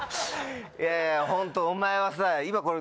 いやいやホントお前はさ今これ。